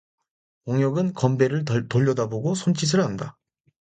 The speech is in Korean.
동혁은 건배를 돌려다보고 손짓을 한다.